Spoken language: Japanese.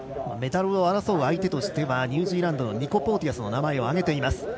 メダルを争う相手としてニュージーランドのニコ・ポーティアスの名前を挙げます。